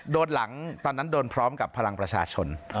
หลังตอนนั้นโดนพร้อมกับพลังประชาชน